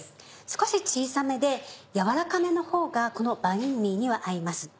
少し小さめでやわらかめのほうがこのバインミーには合います。